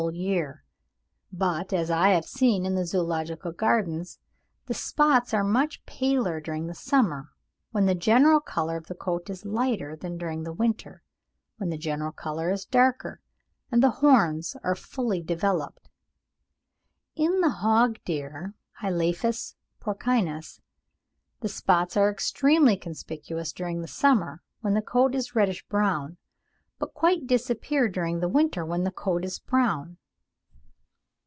The Mantchurian deer (Cervus mantchuricus) is spotted during the whole year, but, as I have seen in the Zoological Gardens, the spots are much plainer during the summer, when the general colour of the coat is lighter, than during the winter, when the general colour is darker and the horns are fully developed. In the hog deer (Hyelaphus porcinus) the spots are extremely conspicuous during the summer when the coat is reddish brown, but quite disappear during the winter when the coat is brown.